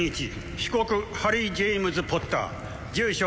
被告ハリー・ジェームズ・ポッター住所